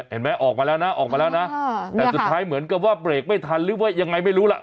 เห็นไหมออกมาแล้วนะออกมาแล้วนะแต่สุดท้ายเหมือนกับว่าเบรกไม่ทันหรือว่ายังไงไม่รู้ล่ะ